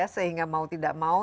sehingga mau tidak mau